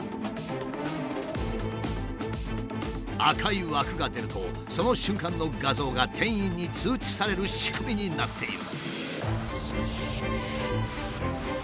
赤い枠が出るとその瞬間の画像が店員に通知される仕組みになっている。